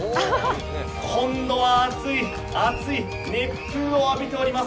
熱い、熱い熱風を浴びております。